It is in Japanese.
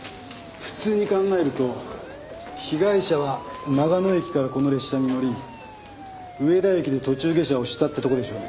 普通に考えると被害者は長野駅からこの列車に乗り上田駅で途中下車をしたってとこでしょうね。